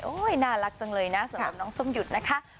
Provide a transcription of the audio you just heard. น่ารักจังเลยนะสำหรับน้องส้มหยุดนะคะ